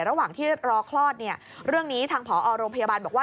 ระหว่างที่รอคลอดเนี่ยเรื่องนี้ทางผอโรงพยาบาลบอกว่า